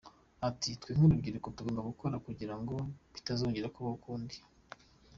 Ati “Twe nk’urubyiruko tugomba gukora kugirango bitazongera kubaho ukundi.